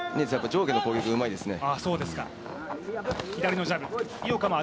上下の攻撃がうまいですね。